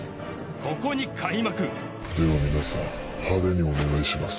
ここに開幕では皆さん派手にお願いします。